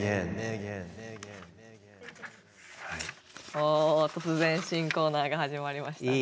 お突然新コーナーが始まりましたね。